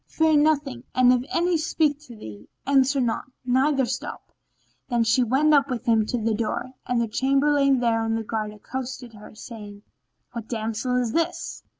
Fear nothing, and if any speak to thee, answer not, neither stop." Then she went up with him to the door, and the Chamberlain there on guard accosted her, saying "What damsel is this?"